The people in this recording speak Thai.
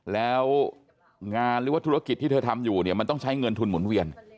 แล้วงานหรือว่าธุรกิจที่เธอทำอยู่เนี่ยมันต้องใช้เงินทุนหมุนเวียน